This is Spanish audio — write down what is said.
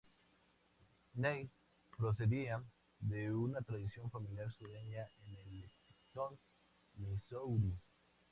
Neill procedía de una tradicional familia sureña en Lexington, Missouri.